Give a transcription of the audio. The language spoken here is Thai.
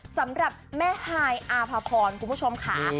สำหรับแม่ฮายอาภาพรคุณผู้ชมค่ะ